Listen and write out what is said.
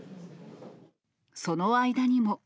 その間にも。